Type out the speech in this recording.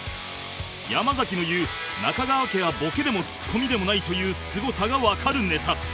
山崎の言う中川家はボケでもツッコミでもないというすごさがわかるネタ